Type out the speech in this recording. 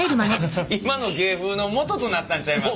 今の芸風のもととなったんちゃいます？